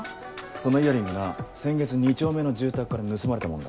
そのイヤリングな先月２丁目の住宅から盗まれたものだ。